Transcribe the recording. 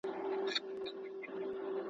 تاریخي حافظې پرې شي